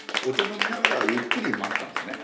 飲みながらゆっくり待ってたんですね。